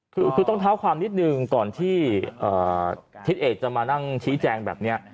คือต้องเท้าความนิดนึงก่อนที่ทิศเอกจะมานั่งชี้แจงแบบนี้